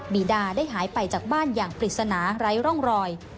บีดาได้หายไปจากบ้านอย่างปริศนาไร้ร่องรอย